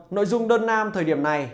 nội dung đơn nam thời điểm này